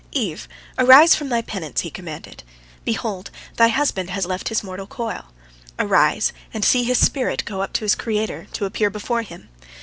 "Eve, arise from thy penance," he commanded. "Behold, thy husband hath left his mortal coil. Arise, and see his spirit go up to his Creator, to appear before Him."